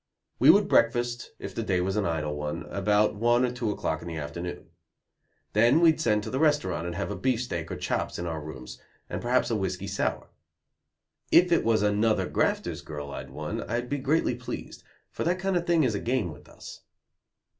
We would breakfast, if the day was an idle one, about one or two o'clock in the afternoon. Then we'd send to the restaurant and have a beefsteak or chops in our rooms, and perhaps a whiskey sour. If it was another grafter's girl I'd won I'd be greatly pleased, for that kind of thing is a game with us.